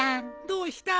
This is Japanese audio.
どうした？